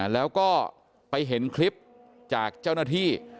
แล้วก็ไปเห็นคลิปจากเจ้าหน้าที่